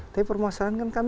tapi permasalahan kan kami